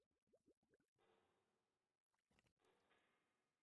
另一派则主张在台设立拥有军警等特别公权力的特别行政区。